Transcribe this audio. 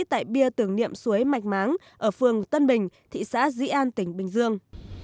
tại bia tưởng niệm suối mạch máng ở phường tân bình thị xã dĩ an tỉnh bình dương